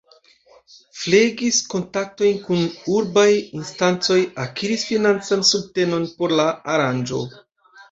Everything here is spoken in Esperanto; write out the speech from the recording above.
Flegis kontaktojn kun urbaj instancoj, akiris financan subtenon por la aranĝo.